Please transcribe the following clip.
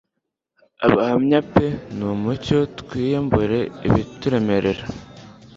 abahamya p nimucyo twiyambure ibituremerera